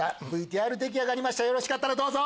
ＶＴＲ出来上がりましたよろしかったらどうぞ。